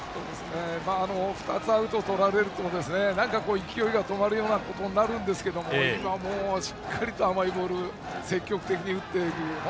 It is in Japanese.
２つアウトをとられると勢いが止まるようなことになるんですけど今もしっかりと甘いボールを積極的に打っていく。